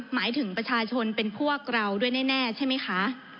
หมายถึงประชาชนเป็นพวกเราด้วยแน่ใช่ไหมคะ